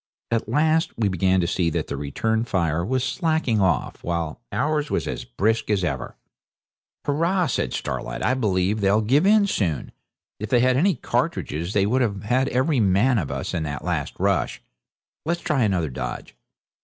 At last we began to see that the return fire was slacking off, while ours was as brisk as ever. 'Hurrah!' says Starlight, 'I believe they'll give in soon. If they had any cartridges they would have had every man of us in that last rush. Let's try another dodge.